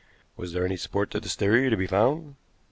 Was there any support to this theory to be found?